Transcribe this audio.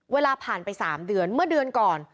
เวลาผ่านไป๓เดือนเมื่อเดือนก่อน